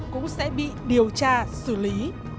cũng sẽ bị điều tra xử lý